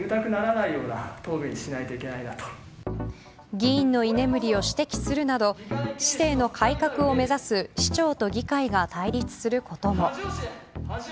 議員の居眠りを指摘するなど市政の改革を目指す市長と議会が対立することも。